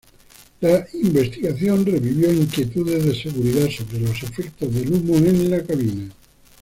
La investigación revivió inquietudes de seguridad sobre los efectos del humo en la cabina.